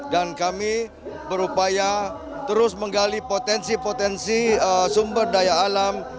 dan kami berupaya terus menggali potensi potensi sumber daya alam